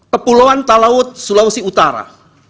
kepulauan talaut sulawesi utara